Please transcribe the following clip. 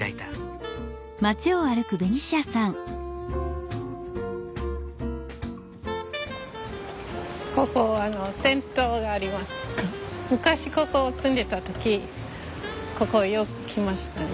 昔ここ住んでた時ここよく来ましたね。